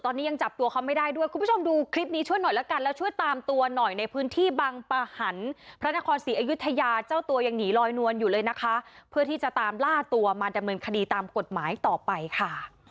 ตอนนี้ยังจับตัวเขาไม่ได้ด้วยคุณผู้ชมดูคลิปนี้ช่วยหน่อยละกันแล้วช่วยตามตัวหน่อยในพื้นที่บังปะหันพระนครศรีอยุธยาเจ้าตัวยังหนีลอยนวลอยู่เลยนะคะเพื่อที่จะตามล่าตัวมาดำเนินคดีตามกฎหมายต่อไปค่ะ